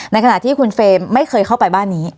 ในขณะที่คุณเฟรมไม่เคยเข้าไปบ้านนี้